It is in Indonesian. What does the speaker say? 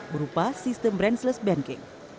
berupa sistem branchless banking